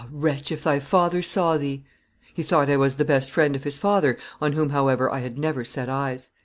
wretch, if thy father saw thee!' He thought I was the best friend of his father, on whom, however, I had never set eyes."